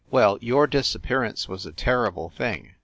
Well, your disappearance was a terrible thing.